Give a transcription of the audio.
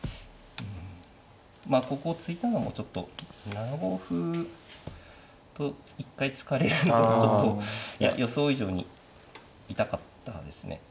まあここを突いたのもちょっと７五歩と一回突かれるのでちょっといや予想以上に痛かったですね。